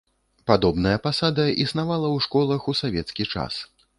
Падобная пасада існавала ў школах у савецкі час.